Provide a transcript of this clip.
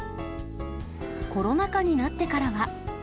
コロナ禍になってからは。